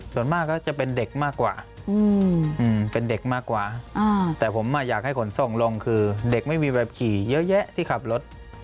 ส่วนมากก็จะเป็นเด็กมากกว่าเป็นเด็กมากกว่าแต่ผมอยากให้ขนส่งลงคือเด็กไม่มีแบบขี่เยอะแยะที่ขับรถ